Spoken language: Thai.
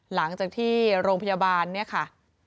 หลังจากที่โรงพยาบาลเนี่ยค่ะ